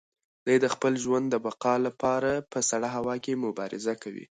دی د خپل ژوند د بقا لپاره په سړه هوا کې مبارزه کوي.